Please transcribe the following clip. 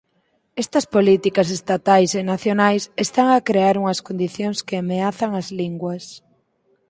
Estas políticas estatais e nacionais están a crear unhas condicións que ameazan ás linguas.